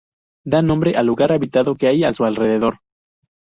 Da nombre al lugar habitado que hay a su alrededor.